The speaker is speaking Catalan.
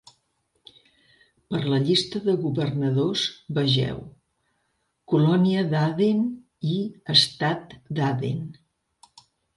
Per la llista de governadors, vegeu: colònia d'Aden i estat d'Aden.